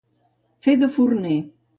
Fer de forner.